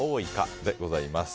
でございます。